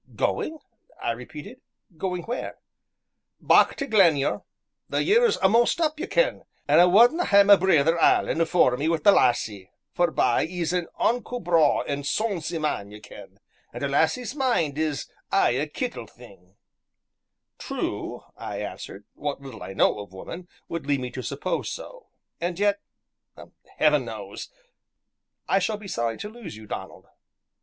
"Going!" I repeated; "going where?" "Back tae Glenure the year is a'most up, ye ken, an' I wadna' hae ma brither Alan afore me wi' the lassie, forbye he's an unco braw an' sonsy man, ye ken, an' a lassie's mind is aye a kittle thing." "True," I answered, "what little I know of woman would lead me to suppose so; and yet Heaven knows! I shall be sorry to lose you, Donald."